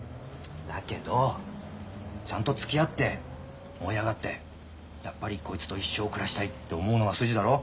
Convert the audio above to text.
だけどちゃんとつきあって燃え上がってやっぱりこいつと一生暮らしたいって思うのが筋だろ？